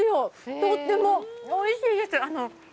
とってもおいしいです。